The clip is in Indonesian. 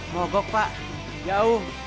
mogok pak jauh